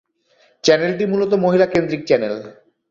চ্যানেলটি মূলত মহিলা কেন্দ্রিক চ্যানেল।